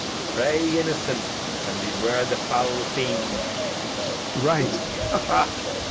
Pray, Innocent, and beware the foul Fiend. Lear. Right, ha! ha!